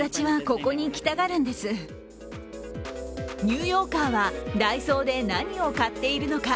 ニューヨーカーはダイソーで何を買っているのか。